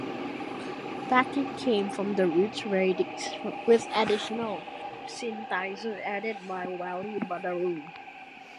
Backing came from the Roots Radics, with additional synthesizer added by Wally Badarou.